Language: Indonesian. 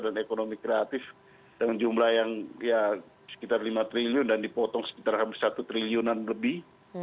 dan ekonomi kreatif dengan jumlah yang ya sekitar lima triliun dan dipotong sekitar hampir satu triliunan lebih